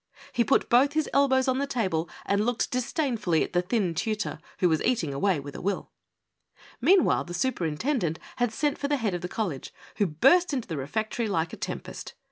He put both his elbows on the table and looked disdainfully at the thin tutor, who was eating away with a will. Meanwhile the superintendent had sent for the head of the college, who burst into the refectory like a tem pest.